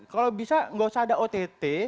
kalau bisa nggak usah ada ott